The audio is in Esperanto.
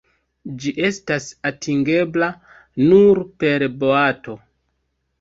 Ĝi estas atingebla nur per boato.